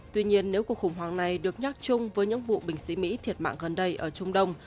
tuy nhiên nếu cuộc khủng hoảng này được nhắc chung với những vụ binh sĩ mỹ thiệt mạng gần đây ở trung đông